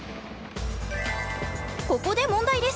ここで問題です。